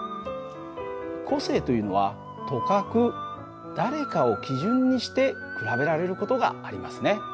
個性というのはとかく誰かを基準にして比べられる事がありますね。